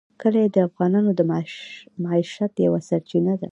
کلي د افغانانو د معیشت یوه سرچینه ده.